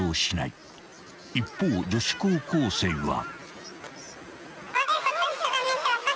［一方女子高校生は］